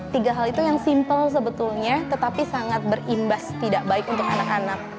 tiga hal itu yang simple sebetulnya tetapi sangat berimbas tidak baik untuk anak anak